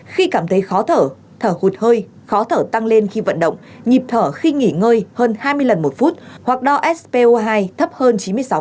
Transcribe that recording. khi cảm thấy khó thở thở hụt hơi khó thở tăng lên khi vận động nhịp thở khi nghỉ ngơi hơn hai mươi lần một phút hoặc đo spo hai thấp hơn chín mươi sáu